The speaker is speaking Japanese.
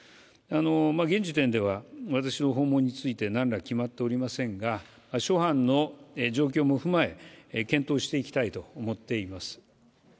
現時点では、私の訪問について、何ら決まっておりませんが、諸般の状況も踏まえ、検討していきたいと思っています。